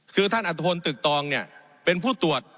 คือท่านอัตภพลตึกตองเนี่ยเป็นผู้ตรวจ